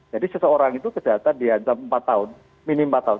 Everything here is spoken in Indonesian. jadi seseorang itu kejahatan di ancam empat tahun minim empat tahun